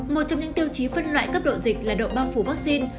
một trong những tiêu chí phân loại cấp độ dịch là độ bao phủ vaccine